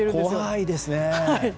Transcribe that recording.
怖いですね。